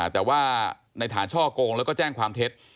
แต่ว่าในฐานช่อโกงแล้วก็แจ้งความเท็จ